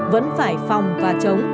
vẫn phải phòng và chống